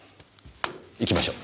行きましょう。